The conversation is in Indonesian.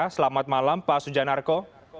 selamat malam pak suja narko